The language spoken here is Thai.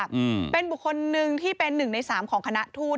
อืมเป็นบุคคลหนึ่งที่เป็นหนึ่งในสามของคณะทูต